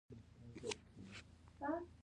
دی اصلا ایټالوی نه دی، د شمالي امریکا برتانوی دی.